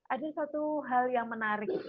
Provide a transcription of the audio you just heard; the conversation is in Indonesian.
ada satu hal yang menarik